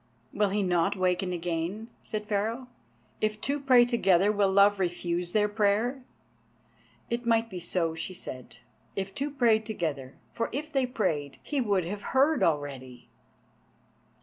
"Will he not waken again?" said Pharaoh. "If two pray together, will Love refuse their prayer?" "It might be so," she said, "if two prayed together; for if they prayed, he would have heard already!"